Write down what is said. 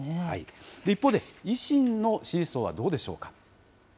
一方で維新の支持層はどうでしょうか。